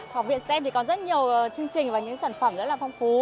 học viện stem thì có rất nhiều chương trình và những sản phẩm rất là phong phú